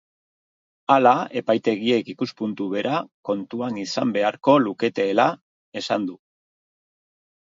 Hala, epaitegiek ikuspuntu bera kontuan izan beharko luketeela esan du.